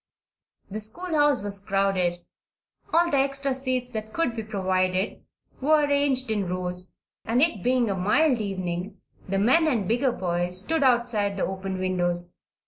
The schoolhouse was crowded, all the extra seats that could be provided were arranged in rows, and, it being a mild evening, the men and bigger boys stood outside the open windows.